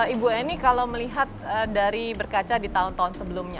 ibu eni kalau melihat dari berkaca di tahun tahun sebelumnya